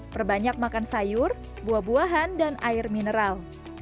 perbanyak makan sayur buah buahan dan air mineral